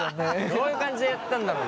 どういう感じでやったんだろうなあ。